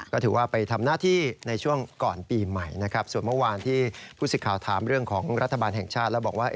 ก็ถือว่าไปทำหน้าที่ในช่วงก่อนปีใหม่นะครับส่วนเมื่อวานที่ผู้สิทธิ์ข่าวถามเรื่องของรัฐบาลแห่งชาติแล้วบอกว่า